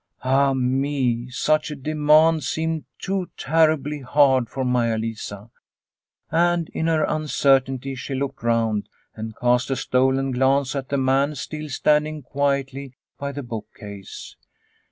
Ah me ! such a demand seemed too terribly hard for Maia Lisa. And in her uncertainty she looked round and cast a stolen glance at the man still standing quietly by the bookcase.